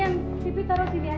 yang sipi taruh sini aja